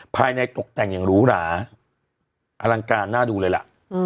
ภายในตกแต่งอย่างหรูหราอลังการน่าดูเลยล่ะ